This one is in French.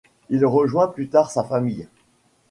Il y rejoint plus tard sa famille.